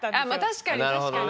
確かに確かに。